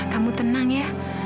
kamu tenang ya